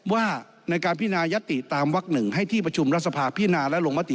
ว่าในการพินายติตามวักหนึ่งให้ที่ประชุมรัฐสภาพินาและลงมติ